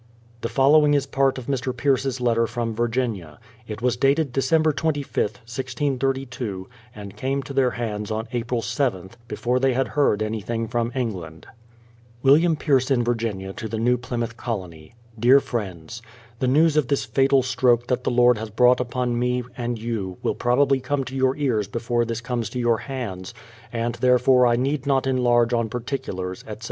The following is part of Mr. Pierce's letter from Virginia. It was dated Dec. 25th, 1632, and came to their hands on April 7th, before they had heard anything from England: Williafit Pierce in Virginia to the New Plymouth Colony: Dear Friends, The news of this fatal stroke that the Lord has brought upon me and you will probably come to your ears before this comes to your hands, and therefore I need not enlarge on particulars, etc.